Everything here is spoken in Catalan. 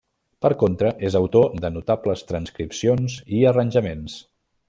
Per contra, és autor de notables transcripcions i arranjaments.